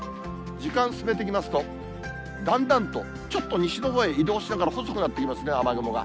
時間進めていきますと、だんだんとちょっと西のほうへ移動しながら細くなっていきますね、雨雲が。